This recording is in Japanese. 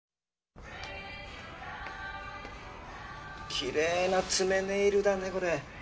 きれいな爪ネイルだねこれ。